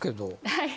はい。